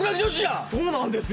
そうなんですよ！